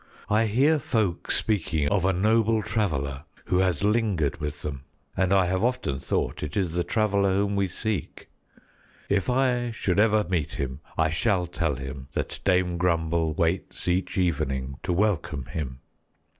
I hear folk speaking of a noble traveler who has lingered with them, and I have often thought it is the Traveler whom we seek. If I should ever meet him, I shall tell him that Dame Grumble waits each evening to welcome him."